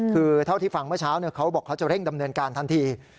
คือเท่าที่ฟังเมื่อเช้าเขาบอกเขาจะเร่งดำเนินการทันที